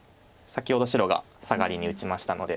先ほど白がサガリに打ちましたので。